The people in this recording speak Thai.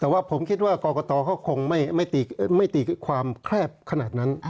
แต่ว่าผมคิดว่ากรกตเขาคงไม่ตีความแคบขนาดนั้น